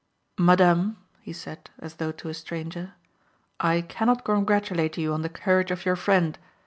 "Madame," he said, as though to a stranger, "I cannot congratulate you on the courage of your friend.